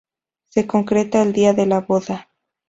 Se concreta el día de la boda.